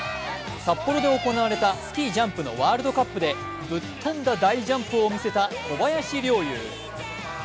札幌で行われたスキージャンプのワールドカップでぶっ飛んだ大ジャンプを見せた小林陵侑。